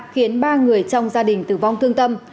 khiến ba người trong gia đình tử vong thương tâm